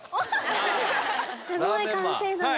すごい完成度だ。